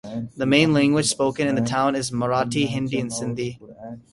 The main language spoken in the town is Marathi, Hindi and Sindhi.